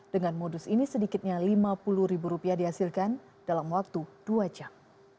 dengan modus ini sedikitnya lima puluh ribu rupiah dihasilkan dalam waktu dua jam